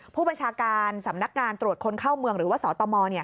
ผู้บัญชาการสำนักงานตรวจคนเข้าเมืองหรือว่าสตม